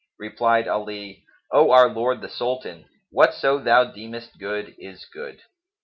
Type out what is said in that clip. Replied Ali, "O our lord the Sultan, whatso thou deemest good is good."